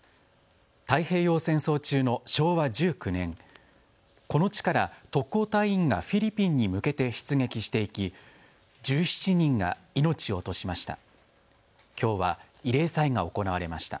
太平洋戦争中の昭和１９年、この地から特攻隊員がフィリピンに向けて出撃していき１７人が命を落としました。